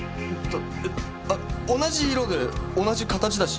えあ同じ色で同じ形だし。